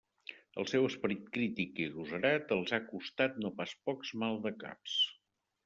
El seu esperit crític i agosarat els ha costat no pas pocs maldecaps.